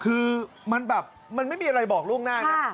คือมันแบบมันไม่มีอะไรบอกล่วงหน้านะ